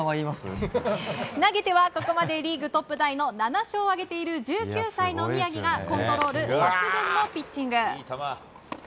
投げてはここまでリーグトップタイの７勝を挙げている１９歳の宮城がコントロール抜群のピッチング。